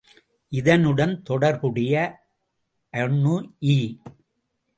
இதனுடன் தொடர்புடைய அணு இ.